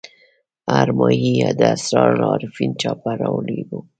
ارمایي د اسرار العارفین چاپه راوړي ول.